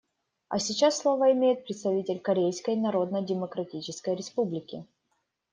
А сейчас слово имеет представитель Корейской Народно-Демократической Республики.